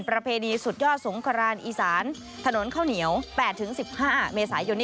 ประเพณีสุดยอดสงครานอีสานถนนข้าวเหนียว๘๑๕เมษายน